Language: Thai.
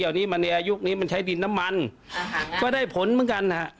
อันนี้มันในอายุคนี้มันใช้ดินน้ำมันก็ได้ผลเหมือนกันอะค่ะ